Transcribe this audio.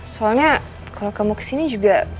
soalnya kalau kamu kesini juga